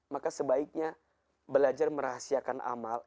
maka sebaiknya belajar merahasiakan amal